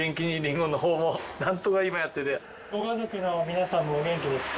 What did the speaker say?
ご家族の皆さんもお元気ですか？